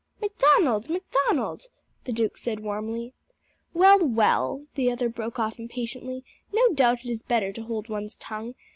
"Macdonald! Macdonald!" the duke said warmly. "Well, well," the other broke off impatiently; "no doubt it is better to hold one's tongue.